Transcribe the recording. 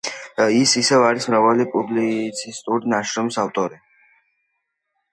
ის ასევე არის მრავალი პუბლიცისტური ნაშრომის ავტორი.